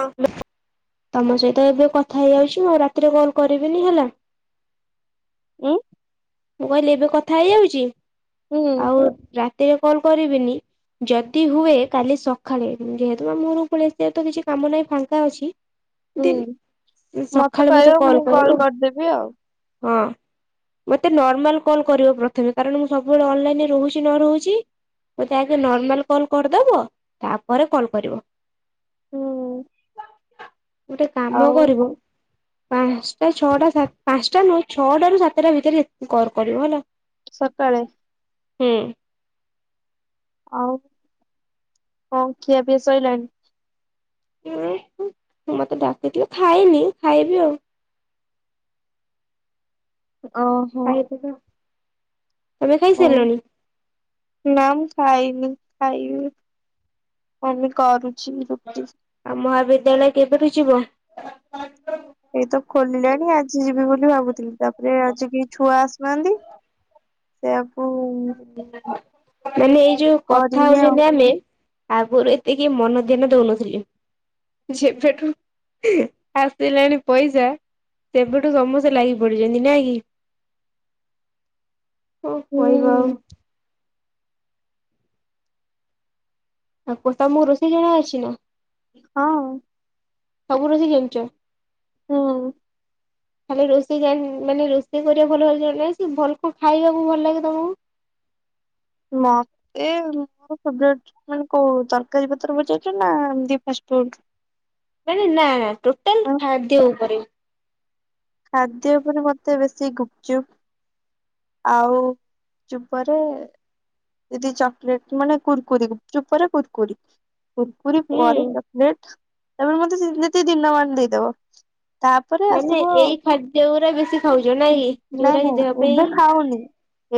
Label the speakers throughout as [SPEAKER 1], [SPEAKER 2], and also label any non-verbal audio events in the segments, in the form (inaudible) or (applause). [SPEAKER 1] ହଁ। ତମ ସହିତ ଏବେ କଥା ହେଇଯାଉଛି ମୁଁ ଆଉ ରାତିରେ କଲ କରିବିନି ହେଲା।
[SPEAKER 2] ଉଁ।
[SPEAKER 1] ମୁଁ କହିଲି ଏବେ କଥା ହେଇଯାଉଛି
[SPEAKER 2] ହୁଁ
[SPEAKER 1] ଆଉ ରାତିରେ କଲ କରିବିନି ଯଦି ହୁଏ କାଲି ସକାଳେ ଯେହେତୁ ମାମୁଁ ଘରକୁ ପଳେଇଆସିଛି ଆଉ ତ କିଛି କାମ ନାହିଁ ଫାଙ୍କା ଅଛି
[SPEAKER 2] ହୁଁ
[SPEAKER 1] ଦି ସକାଳୁ ମତେ
[SPEAKER 2] କହିବ ମୁଁ
[SPEAKER 1] କଲ
[SPEAKER 2] କଲ୍
[SPEAKER 1] କରିବ।
[SPEAKER 2] କରିଦେବି ଆଉ।
[SPEAKER 1] ହଁ। ମତେ ନର୍ମାଲ କଲ୍ କରିବ ପ୍ରଥମେ କାରଣ ମୁଁ ସବୁବେଳେ ଅନଲାଇନ ରହୁଛି ନ ରହୁଛି। ମୋତେ ଆଗେ ନର୍ମାଲ କଲ୍ କରିଦବ ତାପରେ କଲ୍ କରିବ।
[SPEAKER 2] ହୁଁ।
[SPEAKER 1] ଗୋଟେ କାମ
[SPEAKER 2] ଆଉ
[SPEAKER 1] କରିବ ପାଞ୍ଚଟା ଛଅଟା ସା ପାଞ୍ଚଟା ନୁହଁ ଛଅଟାରୁ ସାତଟା ଭିତ ରେ କଲ୍ କରିବ ହେଲା।
[SPEAKER 2] ସକାଳେ
[SPEAKER 1] ହଁ।
[SPEAKER 2] ଆଉ କଣ ଖିଆ ପିଆ ସଇଲାଣି?
[SPEAKER 1] ମୁଁ ମତେ ଡାକିଥିଲ ଖାଇନି ଖାଇବି ଆଉ। (inaudible)
[SPEAKER 2] ଓ ହୋ।
[SPEAKER 1] ଖାଇଦେବି ଆଉ। ତମେ
[SPEAKER 2] ଓ
[SPEAKER 1] ଖାଇସାରିଲଣି
[SPEAKER 2] ନା ମୁଁ ଖାଇନି। ଖାଇବି ମମି କରୁଛି ରୁଟି।
[SPEAKER 1] ବିଦ୍ୟାଳୟ କେବେଠୁ ଯିବ?
[SPEAKER 2] ଏଇ ତ ଖୋଲିଲାଣି ଆଜି ଯିବି ଭାବୁଥିଲି ତାପରେ ଆଜିିକେହି ଛୁଆ ଆସିନାହାନ୍ତି। ସେୟା
[SPEAKER 1] (inaudible) ମାନେ ଏଇ ଯୋଉ କଥା
[SPEAKER 2] କରିନି ଆଉ
[SPEAKER 1] ହଉଛନ୍ତି ଆମେ ଆଗରୁ ଏତିକି ମନ ଧ୍ୟାନ ଦଉନଥିଲେ। ଯେବେଠୁ ଆସିଲାଣି ପଇସା ତେବେଠୁ ସମସ୍ତେ ଲାଗି ପଡିଛନ୍ତି ନାକି ହ। କହିବ ଆଉ।
[SPEAKER 2] ହୁଁ
[SPEAKER 1] ଆଉ କ ତମକୁ ରୋଷେଇ ଜଣା ଅଛି ନା।
[SPEAKER 2] ହଁ।
[SPEAKER 1] ସବୁ ରୋଷଇ ଜାଣିଛ?
[SPEAKER 2] ହଁ।
[SPEAKER 1] ଖାଲି ରୋଷେଇ ଜାନ୍ ମାନେ ରୋଷେଇ କରିବା ଭଲ (unintelligible) ସେ ଭଲ କଣ ଖାଇବାକୁ ଭଲ ଲାଗେ ତମକୁ
[SPEAKER 2] ମତେ ଉ-ଉ-ଉ ଫେବ୍ରେଟ୍ ମାନେ କୋଉ ତରକାରୀ ପତ୍ର ପଚାରୁଚ ନା-ଆ-ଆ ଏମିତି ଫାଷ୍ଟଫୁଡ।
[SPEAKER 1] ମାନେ ନା ନା ଟୋଟାଲ ଖାଦ୍ୟ ଉପରେ।
[SPEAKER 2] ଖାଦ୍ୟ ଉପରେ ମତେ ବେଶୀ ଗୁପଚୁପ। ଆଉ ଚୁମ୍ପରେ ଯଦି ଚକଲେଟ ମାନେ କୁୁରକୁରି ଗୁପଚୁପ ପରେ କୁୁରକିରି। କୁରକୁରି
[SPEAKER 1] ହୁଁ।
[SPEAKER 2] ପରେ ଚକଲେଟ ତମେ ମତେ ଯେତେ ଦିନ ମାନ ଦେଇଦବ। ତାପରେ
[SPEAKER 1] ମାନେ
[SPEAKER 2] ଆସିବ ଆଉ।
[SPEAKER 1] ଏଇ ଖାଦ୍ୟ ଗୁରା ବେଶୀ ଖାଉଛ ନାଇଁ କି
[SPEAKER 2] ନାଇଁ
[SPEAKER 1] ଯୋଉରା
[SPEAKER 2] ନାଇଁ
[SPEAKER 1] କି ଦେହ
[SPEAKER 2] ଏବେ
[SPEAKER 1] ପାଇଁ
[SPEAKER 2] ଖାଉନି।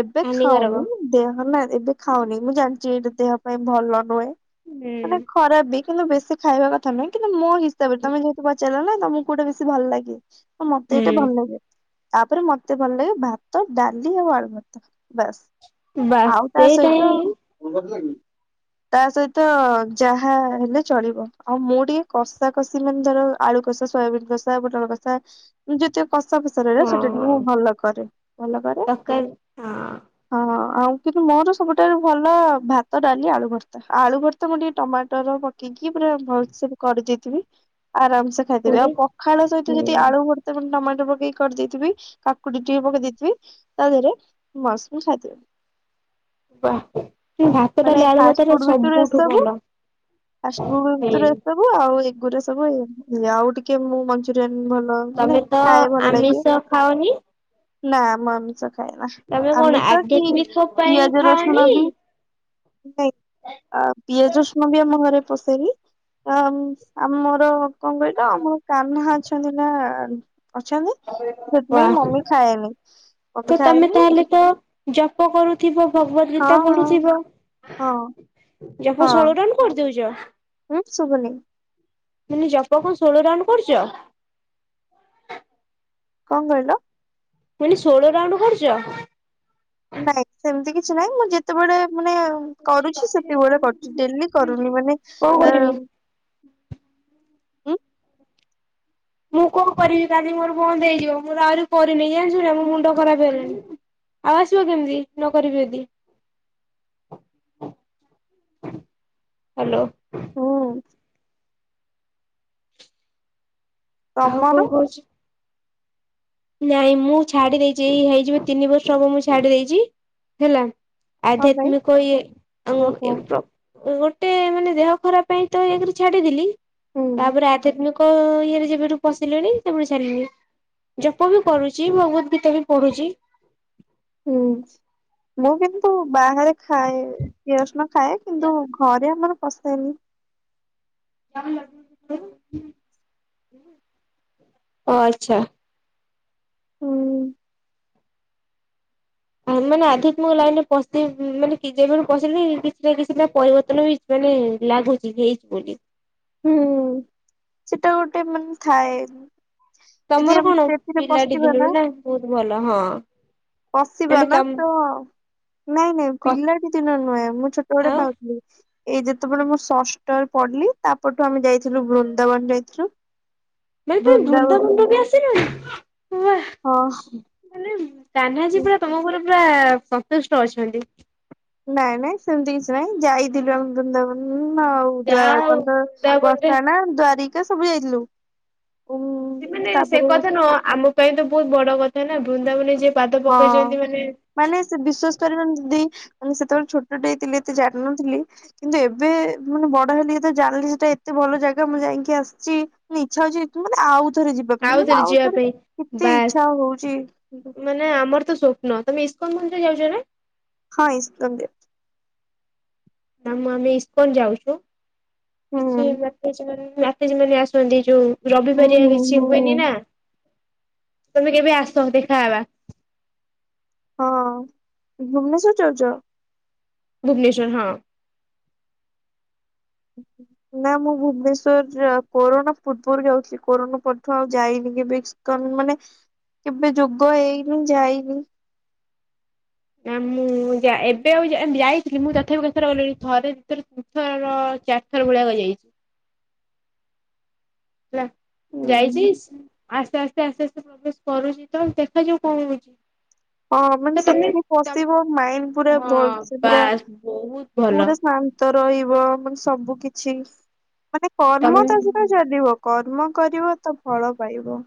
[SPEAKER 2] ଏବେ ଖାଉନି
[SPEAKER 1] ହାନିକାରକ।
[SPEAKER 2] ଦେ ହ ନା ଏବେ ଖାଉନି ମୁଁ ଜାଣିଛି ଏଇଟା ଦେହ ପାଇଁ ଭଲ ନୁହେଁ,
[SPEAKER 1] ହୁଁ
[SPEAKER 2] ମାନେ ଖରାପ ବି। କିନ୍ତୁ ବେଶୀ ଖାଇବା କଥା ନୁହେଁ କିନ୍ତୁ ମୋ ହିସାବରେ ତମେ ଯେହେତୁ ପଚାରିଲ ନା ତମକୁ କୋଉଟା ବେଶୀ ଭଲ ଲାଗେ। ମତେ ଏଇଟା ଭଲ
[SPEAKER 1] ହୁଁ
[SPEAKER 2] ଲାଗେ ତାପରେ ମତେ ଭଲ ଲାଗେ ଭାତ, ଡାଲି ଆଉ ଆଳୁ ଭର୍ତ୍ତା ବାସ୍।
[SPEAKER 1] ବାସ୍
[SPEAKER 2] ଆଉ ତା
[SPEAKER 1] ସେଇଟା ହିଁ
[SPEAKER 2] ସହିତ ତା ସହିତ ଯାହା ହେଲେ ଚଳିବ। ଆଉ ମୁଁ ଟିକେ କଷା କଷି ମାନେ ଧର ଆଳୁ କଷି ସୋୟାବିନ କଷା, ପୋଟଳ କଷା। ଯେତିକ କଷା ଫସରାରେ
[SPEAKER 1] ହଁ
[SPEAKER 2] ସେଟା ଟିକେ
[SPEAKER 1] ହଁ।
[SPEAKER 2] ମୁଁ ଭଲ କରେ ଭଲ କରେ,
[SPEAKER 1] ତରକାରୀ ହଁ
[SPEAKER 2] ଅ ହଁ। ଆଉ କିନ୍ତୁ ମୋର ସବୁଠାରୁ ଭଲ ଭାତ, ଡାଲି, ଆଳୁ ଭର୍ତ୍ତା, ଆଳୁ ଭର୍ତ୍ତା ମୁଁ ଟିକେ ଟମାଟର ପକେଇକି ପୁରା ଭଲସେ କରି ଦେଇଥିବି ଆରାମସେ ଖାଇଦେବି, ଆଉ
[SPEAKER 1] ପୁରୀ
[SPEAKER 2] ପଖାଳ ସହିତ
[SPEAKER 1] ହୁଁ
[SPEAKER 2] ଯଦି ଆଳୁ ଭର୍ ଟମାଟୋ ପକେଇ କର ଦେଇଥିବି କାକୁଡି ଟିକେ ପକେଇ ଦେଇଥିବି। ତା ଧେରେ ମସରୁମ୍ (unintelligible)
[SPEAKER 1] ବା ଭାତ,
[SPEAKER 2] ମାନେ
[SPEAKER 1] ଡାଲି ଆଳୁ ଭର୍ତ୍ତାଟା ସବୁଠୁ ଭଲ।
[SPEAKER 2] ଫାଷ୍ଟ ଫୁଡ୍
[SPEAKER 1] ହୁଁ।
[SPEAKER 2] ଭିତରୁ ଏସବୁ, ଆଉ ଗୁରା ସବୁ ଆଉ ଟିକେ ମୁଁ ମଞ୍ଚୁରିଆନ୍ ଭଲ ମାନେ
[SPEAKER 1] ତମେ ତ
[SPEAKER 2] ଖାଏ ଭଲ ଲାଗେ
[SPEAKER 1] ଆମିଷ ଖାଉନି।
[SPEAKER 2] ନା ମୁଁ ଆମିଷ ଖାଏନା
[SPEAKER 1] କଣ
[SPEAKER 2] ଆମିଷ କି
[SPEAKER 1] ଆଧ୍ୟାତ୍ମିକ ପାଇଁ
[SPEAKER 2] ପିଆଜ ରସୁଣ
[SPEAKER 1] ଖାଅନି?
[SPEAKER 2] ବିି (unintelligible) ପିଆଜ ରସୁଣ ବି ଆମ ଘରେ ପଷେଇନି ଆମ ଆମର କଣ କହିଲ ଆମ କାହ୍ନା ଅଛନ୍ତି ନା ଅଛନ୍ତି। ସେଥିପାଇଁ
[SPEAKER 1] ବାଃ
[SPEAKER 2] ମମି ଖାଏନି। ମମି
[SPEAKER 1] ତ ତମେ
[SPEAKER 2] ଖାଏନି
[SPEAKER 1] ତାହେଲେ ତ ଜପ କରୁଥିବ ଭଗବତ
[SPEAKER 2] ହଁ
[SPEAKER 1] ଗୀତା
[SPEAKER 2] ହଁ
[SPEAKER 1] ପଢୁଥିବ।
[SPEAKER 2] ହଁ
[SPEAKER 1] ଜପ
[SPEAKER 2] ହଁ
[SPEAKER 1] ଷୋଳ ଟନ କରିଦଉଛ?
[SPEAKER 2] ହୁଁ ଶୁଭନି।
[SPEAKER 1] ମୁଁ କହିଲି ଜପ କଣ ଷୋଳ ରାଉଣ୍ଡ କରୁଚ?
[SPEAKER 2] କଁ କହିଲ?
[SPEAKER 1] ମୁଁ କହିଲି ଷୋହଳ ରାଉଣ୍ଡ କରୁଛ?
[SPEAKER 2] ନାଇଁ ସେମିତି କିଛି ନାହିଁ ମୁଁ ଯେତେବେଳେ ମାନେ କରୁଛି ସେତେବେଳେ କରୁଛି। ଡେଲି କରୁନି ମାନେ
[SPEAKER 1] କଣ କରିବି?
[SPEAKER 2] ହ।
[SPEAKER 1] ମୁଁ କଣ କରିବି କାଲି ମୋର ବନ୍ଦ ହେଇଯିବ, ମୋର ଆହୁରି କରିନି ଜାଣିଛୁ ନା ମୋ ମୁଣ୍ଡ ଖରାପ ହେଇଗଲାଣି। ଆଉ ଆସିବ କେମିତି ନ କରିବି ଯଦି? ହାଲୋ।
[SPEAKER 2] ହୁଁ।
[SPEAKER 1] ଆଉ
[SPEAKER 2] ତମର
[SPEAKER 1] କଣ କହୁଛ? ନାଇଁ ମୁଁ ଛାଡି ଦେଇଚି, ଏଇ ହେଇଯିବ ତିନି ବର୍ଷ ହବ ମୁଁ ଛାଡି ଦେଇଚି ହେଲା।
[SPEAKER 2] କଣ ପାଇଁ
[SPEAKER 1] ଆଧ୍ୟାତ୍ମିକ ଇଏ ଏମ୍
[SPEAKER 2] ଓହୋ
[SPEAKER 1] (unintelligible) ଗୋଟେ ମାନେ ଦେହ ଖରାପ ପାଇଁ ତ ଏକରେ ଛାଡିଦେଲି,
[SPEAKER 2] ହୁଁ।
[SPEAKER 1] ତାପରେ ଆଧ୍ୟାତ୍ମିକ ଇଏରେ ଯେବେଠୁ ପଶିଲିଣି ତାପରେ ଛାଡିଲି। ଜପ ବି କରୁଚି, ଭଗବତ୍ ଗୀତା ବି ପଢୁଚି।
[SPEAKER 2] ହୁଁ ମୁଁ କିନ୍ତୁ ବାହାରେ ଖାଏ, ପିଆଜ ରସୁଣ ଖାଏ କିନ୍ତୁ ଘରେ ଆମର ପସେନି।
[SPEAKER 1] ଓ ଆଚ୍ଛା।
[SPEAKER 2] ହୁଁ।
[SPEAKER 1] ମାନେ ଆଧ୍ୟା ମାନେ ଲାଗୁଚି ହେଇଛି ବୋଲି
[SPEAKER 2] ହୁଁ ସେଟା ଗୋଟେ ମାନେ ଥାଏ ଯଦି
[SPEAKER 1] ତମର
[SPEAKER 2] ଆମେ
[SPEAKER 1] କଣ
[SPEAKER 2] ସେଥିରେ
[SPEAKER 1] ପିଲାଟି
[SPEAKER 2] ପଶିବା
[SPEAKER 1] ଦିନରୁ ନା ବହୁତ ଭଲ ହଁ।
[SPEAKER 2] ପଶିବା
[SPEAKER 1] ମାନେ
[SPEAKER 2] ନା
[SPEAKER 1] ତମ
[SPEAKER 2] ତ ନାଇଁ ନାଇଁ ପିଲାଟି ଦିନ ନୁହେଁ ମୁଁ ଛୋଟ ବେଡେ
[SPEAKER 1] କଥା
[SPEAKER 2] ଖାଉଥିଲି। ଏଇ ଯେତେବେଳେ ମୁଁ ଷଷ୍ଠରେ ପଡିଲି, ତାପରଠୁ ଆମେ ଯାଇଥିଲୁ ବୃନ୍ଦାବନ ଯାଇଥିଲୁ
[SPEAKER 1] ମାନେ ତମେ
[SPEAKER 2] ବୃନ୍ଦାବନ
[SPEAKER 1] ବୃନ୍ଦାବନରୁ ବି ଆସିଲଣି?
[SPEAKER 2] ହଁ।
[SPEAKER 1] କାହ୍ନା ଜୀ ପୁରା ତମ ଉପରେ ପୁରା ସନ୍ତୁଷ୍ଟ ଅଛନ୍ତି।
[SPEAKER 2] ନାଇଁ ନାଇଁ ସେମିତି କିଛି ନାଇଁ ଯାଇଥିଲୁ ଆମେ ବୃନ୍ଦାବନ ଆଉ ଯା
[SPEAKER 1] ଯାହା ହଉ
[SPEAKER 2] କଣ ତ
[SPEAKER 1] ବୃନ୍ଦାବନରେ
[SPEAKER 2] ବସ୍ତାନା, ଦ୍ୱାରିକା, ସବୁ ଯାଇଥିଲୁ। ଉଁ
[SPEAKER 1] ସେମାନେ ସେ
[SPEAKER 2] ତାପରେ
[SPEAKER 1] କଥା ନୁହଁ ଆମ ପାଇଁ ତ ବହୁତ ବଡ କଥା ନା ବୃନ୍ଦାବନରେ ଯିଏ ପାଦ
[SPEAKER 2] ହଁ
[SPEAKER 1] ପକେଇଛନ୍ତି ମାନେ
[SPEAKER 2] ମାନେ ସେ ବିଶ୍ଵାସ କରିବନି ଯଦି ମାନେ ସେତେବେଳେ ଛୋଟଟେ ହେଇଥିଲି ଏତେ ଜାଣିନଥିଲି କିନ୍ତୁ ଏବେ ମାନେ ବଡ ହେଲି ଯେତେ ଜାଣିଲି ସେଟା ଏତେ ଭଲ ଜାଗା ମୁଁ ଯାଇଁକି ଆସଚି ପୁଣି ଇଚ୍ଛା ହଉଛି କି ମୁଁ ଆଉ ଥରେ ଯିବା ପାଇଁ ମାନେ
[SPEAKER 1] ଆଉଥରେ
[SPEAKER 2] ଆଉ
[SPEAKER 1] ଯିବା
[SPEAKER 2] ଥରେ
[SPEAKER 1] ପାଇଁ
[SPEAKER 2] କେତେ ଇଚ୍ଛା ହଉଛି କିନ୍ତୁ
[SPEAKER 1] ନାଇଁ ଆମର ତ ସ୍ୱପ୍ନ ତମେ ଇସ୍କନ ମନ୍ଦିର ଯାଉଚ ନା?
[SPEAKER 2] ହଁ ଇସ୍କନ ଦେ
[SPEAKER 1] (unintelligible) ଆମେ ଇସ୍କନ ଯାଉଚୁ
[SPEAKER 2] ହୁଁ
[SPEAKER 1] କିଛି (unintelligible) ମାତାଜୀ ମାନେ ଆସନ୍ତି ଯୋଉ
[SPEAKER 2] ହୁଁ
[SPEAKER 1] ରବିିବାରିଆ
[SPEAKER 2] ହୁଁ
[SPEAKER 1] କିଛି
[SPEAKER 2] ହୁଁ
[SPEAKER 1] ହୁଏନି ନା ତମେ କେବେ ଆସ ଦେଖାହବା?
[SPEAKER 2] ହଁ ଭୁବନେଶ୍ୱର ଯାଉଚ?
[SPEAKER 1] ଭୁବନେଶ୍ଵର ହଁ।
[SPEAKER 2] ହ୍। ନା ମୁଁ ଭୁବନେଶ୍ଵର ଯା କୋରନା ପୂର୍ବରୁ ଯାଉଥିଲି, କୋରନା ପରଠୁ ଆଉ ଯାଇନି କେବେ ଇସ୍କନ? ମାନେ କେବେ ଯୋଗ ହେଇନି ଯାଇନି?
[SPEAKER 1] ନା ମୁଁ ଯା ଏବେ ଆଉ ଯା-ଯାଇଥିଲି ମୁଁ ତଥାପି କେତେଥର ଗଲିଣି ଥରେ ଦିଥର ତିନିଥର ଚାରଥର ଭଳିଆକ ଯାଇଛି। ହେଲା। ଯାଇଚି
[SPEAKER 2] ହୁଁ
[SPEAKER 1] ଆସ୍ତେ ଆସ୍ତେ ଆସ୍ତେ ଆସ୍ତେ ପ୍ରବେଶ କରୁଚି ତ ଦେଖାଯାଉ କଣ ହଉଛି ହ।
[SPEAKER 2] ହଁ ମାନେ ସେଥିରେ ପଶିବ ମାଇଣ୍ଡ ପୁରା
[SPEAKER 1] ହଁ
[SPEAKER 2] ଭଲସେ ପୁରା
[SPEAKER 1] ବାସ୍ ବହୁତ ଭଲ
[SPEAKER 2] ପୁରା ଶାନ୍ତ ରହିବ, ମାନେ ସବୁ କିଛି ମାନେ କର୍ମ ଟା ସେଇଟା
[SPEAKER 1] ତମେ
[SPEAKER 2] ଚାଲିବ କର୍ମ କରିବ ତ ଫଳ ପାଇବ।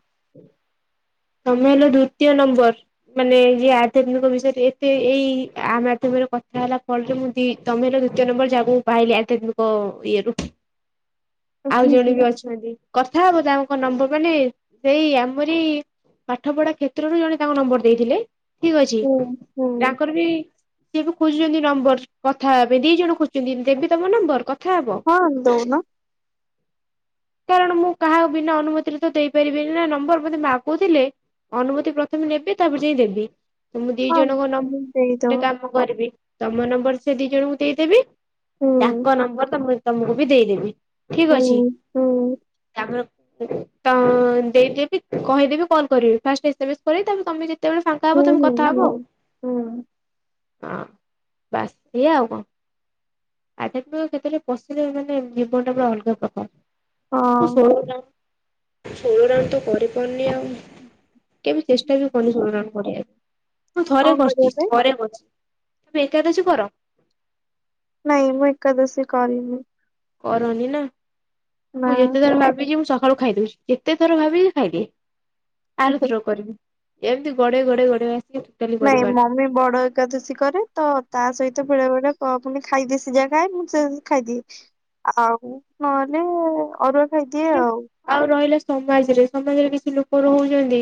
[SPEAKER 1] ତମେ ହେଲ ଦ୍ଵିତୀୟ ନମ୍ବର, ମାନେ ଯିଏ ଆଧ୍ୟାତ୍ମିକ ବିଷୟରେ ଏତେ ଏଇ ଆ ମାଧ୍ୟମରେ ମରେ କଥା ହେଲା ଫଳରେ ମୁଁ ଦି ତମେ ହେଲ ଦ୍ୱିତୀୟ ନମ୍ବର ଯାହାକୁ ମୁଁ ପାଇଲି ଆଧ୍ୟାତ୍ମିକ ଇଏରୁ।
[SPEAKER 2] ହୁଁ
[SPEAKER 1] ଆଉ
[SPEAKER 2] ହୁଁ
[SPEAKER 1] ଜଣେ ବି ଅଛନ୍ତି, କଥା ହବ ତାଙ୍କ ନମ୍ବର ମାନେ ସେଇ ଆମରି ପାଠପଢା କ୍ଷେତ୍ରରୁ ଜଣେ ତାଙ୍କ ନମ୍ବର ଦେଇଥିଲେ, ଠିକ ଅଛି।
[SPEAKER 2] ହୁଁ ହୁଁ
[SPEAKER 1] ତାଙ୍କର ବି ସିଏ ବି ଖୋଜୁଛନ୍ତି ନମ୍ବର କଥା ହେବାପାଇଁ। ଦି ଜଣ ଖୋଜୁଛନ୍ତି ଦେବି ତମ ନମ୍ବର? କ
[SPEAKER 2] ହଁ ଦଉନ।
[SPEAKER 1] କାରଣ ମୁଁ କାହା ବିନା ଅନୁମତିରେ ତ ଦେଇପାରିବିନି ନା ନମ୍ବର। ମତେ ମାପ କହୁଥିଲେ, ଅନୁମତି ପ୍ରଥମେ ନେବି ତାପରେ ଯାଇ ଦେବି। ତ ମୁଁ ଦି
[SPEAKER 2] ହଁ
[SPEAKER 1] ଜଣଙ୍କ ନମ୍ୱ ଗୋଟେ
[SPEAKER 2] ଦେଇଦବ।
[SPEAKER 1] କାମ କରିବି ତମ ନମ୍ବର ସେ ଦି ଜଣଙ୍କୁ ଦେଇଦେବି
[SPEAKER 2] ହୁଁ
[SPEAKER 1] ତାଙ୍କ ନମ୍ବର ତମ ତମକୁ ବି ଦେଇଦେବି। ଠିକ
[SPEAKER 2] ହଉ
[SPEAKER 1] ଅଛି
[SPEAKER 2] ହଉ।
[SPEAKER 1] ତାପରେ ତ ଦେଇଦେବି କହିଦେବି କଲ୍ କରିବେ। ଫାଷ୍ଟ ଏସେ ଏମ୍ ଏସ କରିବେ ତାପରେ ତମେ ଯଦି ଯେତେବେଳେ ଫାଙ୍କା
[SPEAKER 2] ହୁଁ
[SPEAKER 1] ହବ ତମେ
[SPEAKER 2] ହୁଁ
[SPEAKER 1] କଥା
[SPEAKER 2] ହୁଁ
[SPEAKER 1] ହବ ଆଉ।
[SPEAKER 2] ହୁଁ
[SPEAKER 1] ହଁ ବାସ୍ ଇଏ ଆଉ କଣ? ଆଧ୍ୟାତ୍ମିକ କ୍ଷେତ୍ରରେ ପଶିଲେ ମାନେ ଜୀବନଟା ପୁରା ଅଲଗା ପ୍ରକାର। ମୁଁ
[SPEAKER 2] ହଁ
[SPEAKER 1] ଷୋଳ ରାଉଣ୍ଡ୍ ଷୋଳ ରାଉଣ୍ଡ୍ ତ କରି କନି ଆଉ କେବେ ଚେଷ୍ଟା ବି କରିନି ସେଗୁଡ଼ାକ କରିବାକୁ। ମୁଁ ଥରେ
[SPEAKER 2] କଣ
[SPEAKER 1] କରିଚି
[SPEAKER 2] କରିବା ପାଇଁ?
[SPEAKER 1] ଥରେ କରିଚି ତୁ ଏକାଦଶୀ କର।
[SPEAKER 2] ନାଇଁ ମୁଁ ଏକାଦଶୀ କରିନି।
[SPEAKER 1] କରନି ନା
[SPEAKER 2] ନା।
[SPEAKER 1] ମୁଁ ଯେତେଥର ଭାବିଚି ମୁଁ ସ ଘରୁ ଖାଇ ଦଉଛି ଯେତେ ଥର ଭାବିଚି ଖାଇଦିଏ ଆରଥର କରିବି। ଏମିତି ଗୋଡ଼େଇ ଗୋଡ଼େଇ ଗୋଡ଼େଇ
[SPEAKER 2] ନାଇଁ ମମି ବଡ଼ ଏକାଦଶୀ କରେ ତ ତା ସହିତ ବେଳେବେଳେ ତ ପୁଣି ଖାଇଦିଏ ସିଯା ଖାଏ ମୁଁ ସେ ଖାଇଦିଏ ଆଉ ନହେଲେ ଅରୁଆ ଖାଇଦିଏ ଆଉ।
[SPEAKER 1] ସମାଜରେ ସମାଜରେ କିଛି ଲୋକ ରହୁଛନ୍ତି।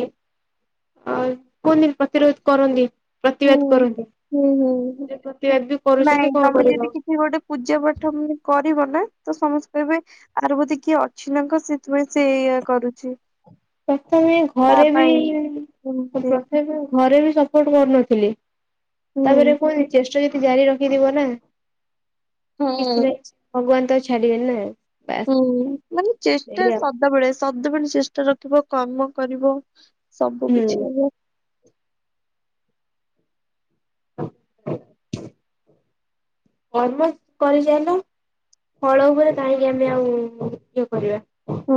[SPEAKER 1] ଅ କୁନି ପ୍ରତିରୋଧ କରନ୍ତି
[SPEAKER 2] ହୁଁ
[SPEAKER 1] ପ୍ରତିିବାଧ କରନ୍ତି।
[SPEAKER 2] ହୁଁ ହୁଁ
[SPEAKER 1] ସେ ପ୍ରତିବାଦ ବି କରୁଛନ୍ତି
[SPEAKER 2] ନାଇଁ
[SPEAKER 1] କଣ
[SPEAKER 2] ତମେ
[SPEAKER 1] କରିବ
[SPEAKER 2] ଯଦି କିଛି ଗୋଟେ ପୂଜା ପାଠ କରିବ ନା ତ ସମସ୍ତେ କହିବେ ଆର ବୋଧେ କିଏ ଅଛି ନା କଣ ସେଥିପାଇଁ ସେ ଏୟା କରୁଚି।
[SPEAKER 1] ପ୍ରଥମେ ଘରେ ବି
[SPEAKER 2] ଏମିତି
[SPEAKER 1] ସପୋର୍ଟ ଘରେ ବି ସପୋର୍ଟ କରୁନଥିଲି ତାପରେ
[SPEAKER 2] ହୁଁ।
[SPEAKER 1] କୁହନି ଚେଷ୍ଟ ଯଦି ଜାରି ରଖିଥିବ ନା
[SPEAKER 2] ହୁଁ।
[SPEAKER 1] କିଛି ନାହିଁ ଭଗବାନ ତାକୁ ଛାଡିବେନି ନା ବାସ୍
[SPEAKER 2] ହୁଁ ମାନେ ଚେଷ୍ଟା
[SPEAKER 1] ସେଇଆ
[SPEAKER 2] ସଦାବେଳେ ସଦାବେଳେ ଚେଷ୍ଟା ରଖିବ କର୍ମ କରିବ ସବୁ
[SPEAKER 1] ହୁଁ
[SPEAKER 2] କିଛି ହବ।
[SPEAKER 1] (inaudible) କର୍ମ କରିଚାଲ ଫଳ ଉପରେ କାହିଁକି ଆମେ ଆଉ ଇଏ କରିବା।
[SPEAKER 2] ହୁଁ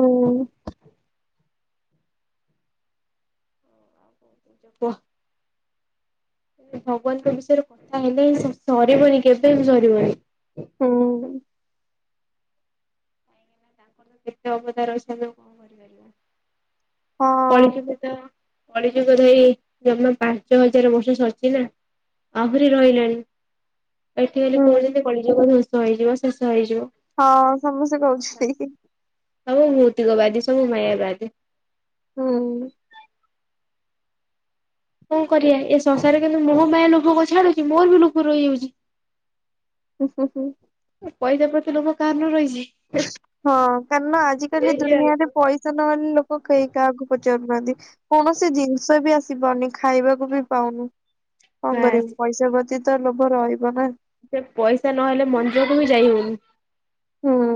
[SPEAKER 1] ଆଉ କ କୋଉଚ କୁଅ। ଭଗବାନଙ୍କ ବିଷୟରେ କଥା ହେଲେ ସରିବନି କେବେ ବି ସରିବନି।
[SPEAKER 2] ହୁଁ।
[SPEAKER 1] ତାଙ୍କର କେତେ ଅବଦ ରହିଚି ଆମେ କଣ କରିପାରିବା କଳି
[SPEAKER 2] ହଁ।
[SPEAKER 1] ଯୁଗତ କଳି ଯୁଗ ଧରି ଜମା ପାଞ୍ଚ ହଜାର ବର୍ଷ ସରିଚି ନା ଆହୁରି ରହିଲାଣି। ଏଠି ଖାଲି
[SPEAKER 2] ହୁଁ
[SPEAKER 1] କୋଉଚନ୍ତି କଳିଯୁଗ ଧ୍ଵଂସ ହେଇଯିବ ଶେଷ ହେଇଯିବ।
[SPEAKER 2] ହଁ ସମସ୍ତେ କହୁଛନ୍ତି।
[SPEAKER 1] ସବୁ ଭୌତିକ ବାଦୀ ସବୁ ମାୟା ବାଦୀ।
[SPEAKER 2] ହୁଁ।
[SPEAKER 1] କଣ କରିବା ଏ ଶସାରେ କିନ୍ତୁ ମୋ ପାଇଁ ଲୋଭକୁ ଛାଡୁଛି ମୋର ବି ଲୋଭ ରହିଯାଉଛି।
[SPEAKER 2] ହୁ ହୁଁ।
[SPEAKER 1] ପଇସା ପ୍ରତି ଲୋଭ କାହାର ନ ରହିଚି।
[SPEAKER 2] ହଁ କାରଣ ଆଜିିକାଲି ଦୁନିଆରେ ପଇସା ନହେଲେ ଲୋକ କେହି କାହାକୁ ପ ପଚାରୁ ନାହାନ୍ତି କୌଣସି ଜିନିଷ ବି ଆସି ପାରୁନି ଖାଇବାକୁ ବି ପାଉନୁ। କଣ
[SPEAKER 1] ବାସ୍
[SPEAKER 2] କରିବୁ ପଇସା ପ୍ରତି ତ ଲୋଭ ରହିବ ନା।
[SPEAKER 1] ସେ ପଇସା ନହେଲେ ମନ୍ଦିରକୁ ବି ଯାଇ ହଉନି।
[SPEAKER 2] ହୁଁ।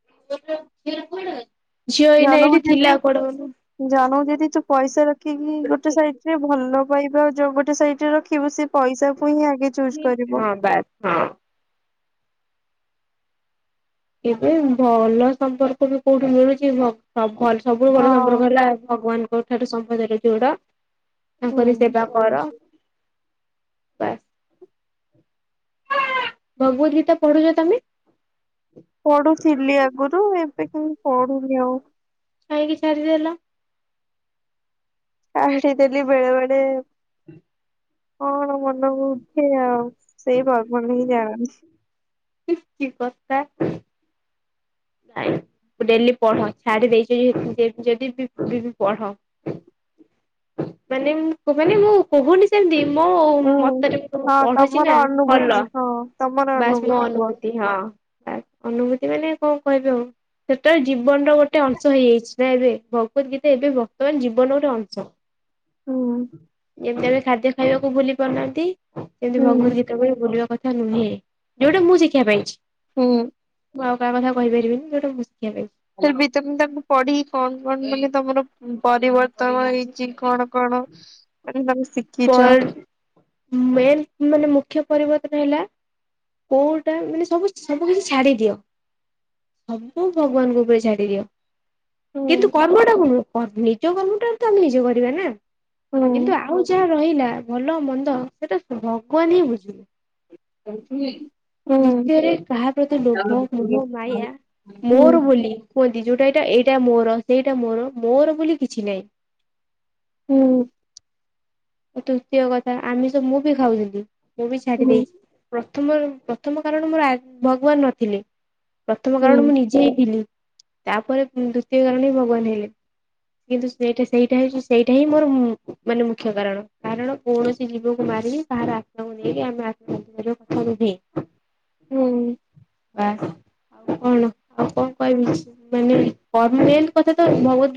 [SPEAKER 1] (unintelligible)
[SPEAKER 2] ଜଣଙ୍କୁ
[SPEAKER 1] ଏଇଠି ଥିଲା
[SPEAKER 2] ଯଦି
[SPEAKER 1] କୁଆଡେ ଗଲା।
[SPEAKER 2] ଜଣଙ୍କୁ ଯଦି ତୁ ପଇସା ରଖିକି ଗୋଟେ ସାଇଟିରେ ଭଲ ବାହିବା ଯୋଉ ଗୋଟେ ସାଇଟିରେ ରଖିବୁ ସେ ପଇସା ଙ୍କୁ ହିଁ ଆଗେ ଚୁସ୍ କରିବ।
[SPEAKER 1] ହଁ ବାସ୍ ହଁ। ଏବେ ଭଲ ସମ୍ପର୍କ ବି କୋଉଠୁ ମିଳୁଛି ଭଲ ସବୁଠୁ
[SPEAKER 2] ହଁ
[SPEAKER 1] ଭଲ ସମ୍ପର୍କ ହେଲା ଭଗବାନଙ୍କ ଠାରେ ସମ୍ପର୍କ ଯୋଡ଼ ତାଙ୍କରି
[SPEAKER 2] ହୁଁ
[SPEAKER 1] ସେବା କର ବାସ୍। ଭଗବତୀ ଗୀତା ପଢୁଛ ତମେ।
[SPEAKER 2] ପଢୁଥିଲି ଆଗରୁ ଏବେ କିନ୍ତୁ ପଢୁନି ଆଉ।
[SPEAKER 1] କାହିଁକି ଛାଡ଼ିଦେଲ।
[SPEAKER 2] ଛାଡ଼ି ଦେଲି ବେଳେ ବେଳେ କଣ ମନକୁ ସେ ଆଉ ସେଇ ଭଗବାନ ହିଁ ଜାଣନ୍ତି।
[SPEAKER 1] କି କଥା। ଡ଼େଲି ପଢ଼ ଛାଡି ଦେଇଚ ଯଦି ପଢ଼। ମାନେ ମାନେ ମୁଁ କହୁନି ସେମିତି ମୁଁ
[SPEAKER 2] ହୁଁ
[SPEAKER 1] ମତରେ ମୁ
[SPEAKER 2] ହଁ
[SPEAKER 1] ପଢୁଛି ନା
[SPEAKER 2] ତମର
[SPEAKER 1] ଭଲ
[SPEAKER 2] ଅନୁଭୂତି ହଁ ତମର
[SPEAKER 1] ବାସ୍ ମୋ
[SPEAKER 2] କୁହ
[SPEAKER 1] ଅନୁଭୂତି ହଁ। ଆ ଅନୁଭୂତି ମାନେ କଣ କହିବେ ଆଉ ସେଟା ଜୀବନର ଗୋଟେ ଅଂଶ ହେଇଯାଇଛି। ନା ଏବେ ଭଗବତ ଗୀତା ଏବେ ବର୍ତମାନ ଜୀବନର ଗୋଟେ ଅଂଶ
[SPEAKER 2] ହୁଁ
[SPEAKER 1] ଯେମତି ଆମେ ଖାଦ୍ୟ ଖାଇବାକୁ ଭୁଲି ପାରୁନାହାନ୍ତି ସେମିତି
[SPEAKER 2] ହୁଁ
[SPEAKER 1] ଭଗବତ ଗୀତାକୁ ଭୁଲିବା କଥା। ନୁହେଁ ଯୋଉଟା ମୁଁ ଶିଖିବା ପାଇଛି।
[SPEAKER 2] ହୁଁ।
[SPEAKER 1] ମୁଁ ଆଉ କାହା କଥା କହିପାରିବିନି ଯଉଟା ମୁଁ ଶିଖିବା ପାଇଛି।
[SPEAKER 2] ଫ ଭ ତମ ତାକୁ ପଢି କଣ କଣ ମାନେ ତମର ପରିବର୍ତ୍ତନ ହେଇ ଶିଖିଛ
[SPEAKER 1] ପର ମ ମାନେ ମୁଁ ମୁଖ୍ୟ ପରିବର୍ତ୍ତନ ହେଲା କୋଉଟା ମାନେ ସ ସବୁ କିଛି ଛାଡ଼ି ଦିଅ। ସବୁ ଭଗବାନଙ୍କ ଉପରେ ଛାଡ଼ି ଦିଅ।
[SPEAKER 2] ହୁଁ
[SPEAKER 1] କିନ୍ତୁ କର୍ମଟା ନିଜ କର୍ମଟା ତ ଆମେ ନିଜେ କରିବା ନା।
[SPEAKER 2] ହୁଁ
[SPEAKER 1] କିନ୍ତୁ ଆଉ ଯାହା ରହିଲା ଭଲ ମନ୍ଦ ସେଟା ଭଗବାନ ହିଁ ବୁଝିବେ।
[SPEAKER 2] (inaudible)
[SPEAKER 1] ଦ୍ଵିତୀୟରେ କାହା ପ୍ରତି ଲୋଭ, ମୋହ, ମାୟା ମୋର
[SPEAKER 2] ହୁଁ
[SPEAKER 1] ବୋଲି କୁହନି। ଯୋଉଟା ଏଇଟା ଏଇଟା ମୋର ସେଇଟା ମୋର ମୋର ବୋଲି କିଛି ନାହିଁ।
[SPEAKER 2] ହୁଁ।
[SPEAKER 1] ତୃତୀୟ କଥା ଆମିଷ ମୁଁ ବି ଖାଉଥିଲି ମୁଁ ବି ଛାଡ଼ି
[SPEAKER 2] ହୁଁ
[SPEAKER 1] ଦେଇଛି। ମୋର ପ୍ରଥମ କାରଣ ମୋ ଭଗବାନ ନଥିଲେ ପ୍ରଥମ
[SPEAKER 2] ହୁଁ
[SPEAKER 1] କାରଣ ମୁଁ ନିଜେ ହିଁ ଥିଲି। ତାପରେ ଦ୍ଵିତୀୟ କାରଣ ହିଁ ଭଗବାନ ହେଲେ। କିନ୍ତୁ ସେଇଟା ସେଇଟା ହଉଛି ସେଇଟା ହିଁ ମୋର ମାନେ ମୁଖ୍ୟ କାରଣ। କାରଣ କୌଣସି ଜୀବକୁ ମାରିକି ତାହାର ଆତ୍ମାକୁ ନେଇକି ଆମେ ଆତ୍ମତୃପ୍ତି କରିବା କଥା ନୁହେଁ।
[SPEAKER 2] ହୁଁ।
[SPEAKER 1] ବାସ୍ ଆଉ କଣ ଆଉ କଣ କହିବି ମାନେ ପରମାନେଣ୍ଟ କଥା ତ ଭଗବଦ୍ ଗୀତା